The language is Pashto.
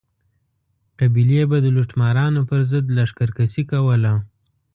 قبیلې به د لوټمارانو پر ضد لښکر کشي کوله.